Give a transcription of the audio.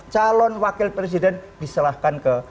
calon wakil presiden diserahkan ke